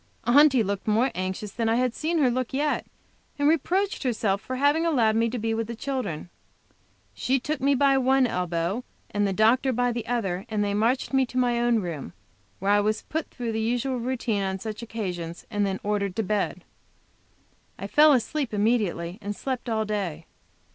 Aunty looked more anxious than I have seen her look yet, and reproached herself for having allowed me to be with the children. She took me by one elbow, and the doctor by the other, and they marched me off to my own room, where I was put through the usual routine on such occasions, and then ordered to bed. I fell asleep immediately and slept all day.